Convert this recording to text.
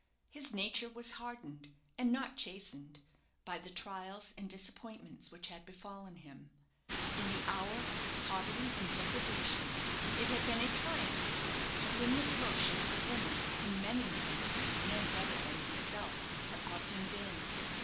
His nature was hardened, and not chastened, by the trials and disappointments which had befallen him. In the hour of his poverty and degradation it had been a triumph for him to win the devotion of a woman whom many men men better than himself had loved in vain.